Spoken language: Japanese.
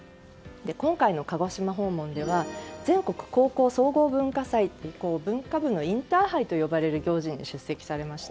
今回の鹿児島訪問では全国高校総合文化祭文化部のインターハイと呼ばれるような行事に出席されました。